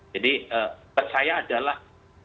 jadi menurut saya adalah